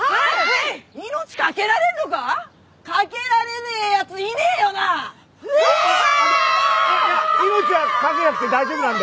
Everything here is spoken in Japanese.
いやいや命は懸けなくて大丈夫なんで！